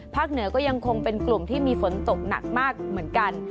เหนือก็ยังคงเป็นกลุ่มที่มีฝนตกหนักมากเหมือนกัน